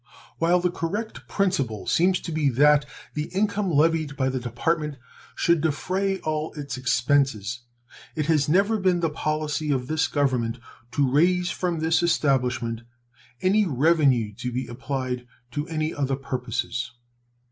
While the correct principle seems to be that the income levied by the Department should defray all its expenses, it has never been the policy of this Government to raise from this establishment any revenue to be applied to any other purposes.